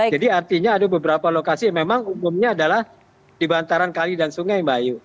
jadi artinya ada beberapa lokasi yang memang umumnya adalah di bantaran kali dan sungai mbak ayu